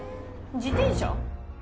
自転車？